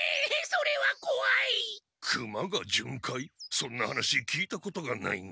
そんな話聞いたことがないが。